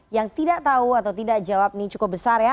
yang tidak tahu atau tidak jawab ini cukup besar ya